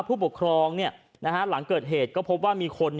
ผู้ปกครองหลังเกิดเหตุก็พบว่ามีคน